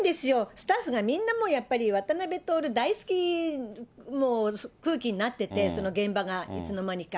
スタッフが、みんなもう、やっぱり渡辺徹大好き、もう空気になってて、その現場がいつの間にか。